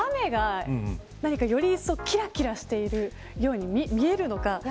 ラメがより一層きらきらしているように見えるのか。